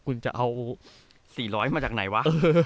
คุณจะเอา๔๐๐มาจากไหนวะ